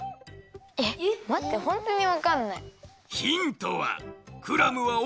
えっまってホントにわかんない。